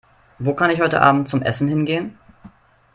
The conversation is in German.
Wo kann ich heute Abend zum Essen hingehen?